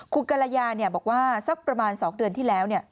คุณกรยาบอกว่าสักประมาณ๒เดือนที่แล้ว